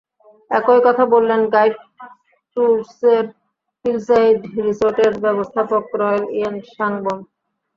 একই কথা বললেন গাইড ট্যুরসের হিলসাইড রিসোর্টের ব্যবস্থাপক রয়েল ইয়েন সাং বম।